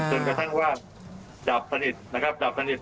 จนกระทั่งว่าจับสนิทนะครับจับสนิท